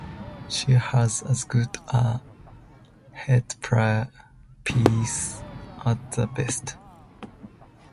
She has as good a head-piece as the best.